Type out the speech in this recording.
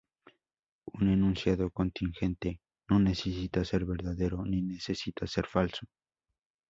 Un enunciado contingente no necesita ser verdadero ni necesita ser falso.